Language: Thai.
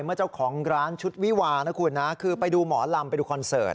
เมื่อเจ้าของร้านชุดวิวานะคุณนะคือไปดูหมอลำไปดูคอนเสิร์ต